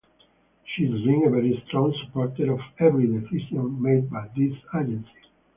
She's been a very strong supporter of every decision made by this agency.